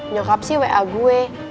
nyokap sih wa gue